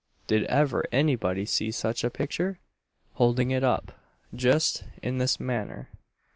Did ever anybody see sich a picture?' holding it up just in this manner.